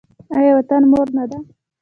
آیا وطن مور نه ده؟